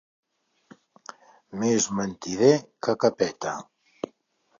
Més mentider que Capeta.